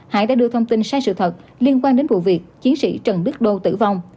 hải đã đưa thông tin sai sự thật liên quan đến vụ việc chiến sĩ trần đức đô tử vong